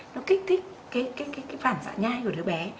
nó kích thích cái phản dạ nhai của đứa bé